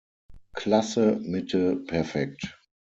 Klasse Mitte perfekt.